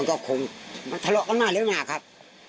มันก็คงทะเลาะก็มากเลยนะครับ